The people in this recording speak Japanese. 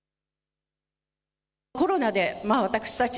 コロナでまあ私たち